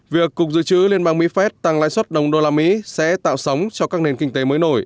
việc cục dự trữ liên bang mỹ phép tăng lãi suất đồng đô la mỹ sẽ tạo sóng cho các nền kinh tế mới nổi